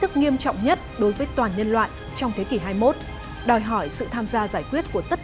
sức nghiêm trọng nhất đối với toàn nhân loại trong thế kỷ hai mươi một đòi hỏi sự tham gia giải quyết của tất